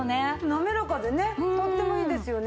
滑らかでねとってもいいですよね。